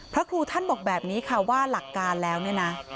พระครูท่านบอกแบบนี้ค่ะว่าหลักการแล้วเนี่ยนะ